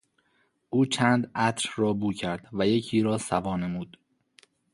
او چند عطر را بو کرد و یکی را سوا نمود.